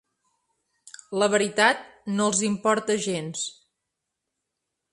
La veritat no els importa gens